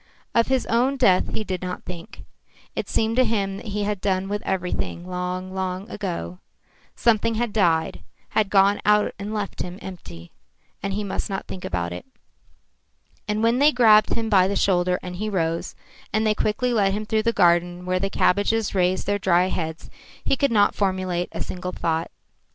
Of his own death he did not think. It seemed to him that he had done with everything long, long ago. Something had died, had gone out and left him empty, and he must not think about it. And when they grabbed him by the shoulder and he rose, and they quickly led him through the garden where the cabbages raised their dry heads, he could not formulate a single thought.